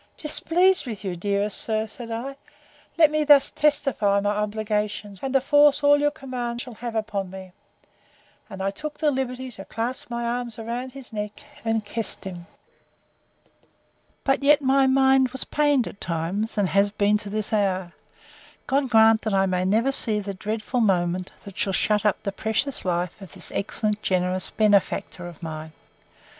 —Displeased with you, dearest sir! said I: Let me thus testify my obligations, and the force all your commands shall have upon me. And I took the liberty to clasp my arms about his neck, and kissed him. But yet my mind was pained at times, and has been to this hour.—God grant that I may never see the dreadful moment, that shall shut up the precious life of this excellent, generous benefactor of mine!